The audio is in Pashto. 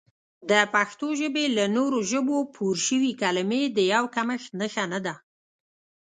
د پښتو ژبې له نورو ژبو پورشوي کلمې د یو کمښت نښه نه ده